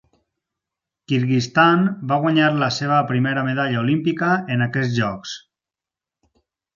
Kyrgyzstan va guanyar la seva primera Medalla Olímpica en aquests jocs.